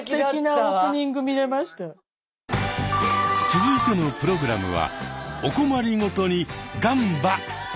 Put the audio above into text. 続いてのプログラムはお困りごとにガンバ！